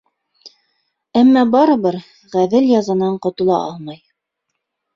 Әммә барыбер ғәҙел язанан ҡотола алмай.